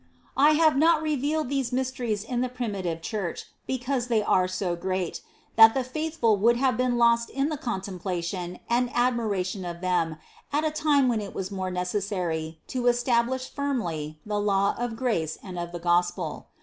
10. "I have not revealed these mysteries in the primitive Church, because they are so great, that the faithful would have been lost in the contemplation and admira tion of them at a time when it was more necessary to establish firmly the law of grace and of the Gospel.